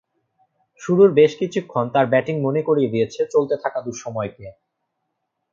শুরুর বেশ কিছুক্ষণ তাঁর ব্যাটিং মনে করিয়ে দিয়েছে চলতে থাকা দুঃসময়কে।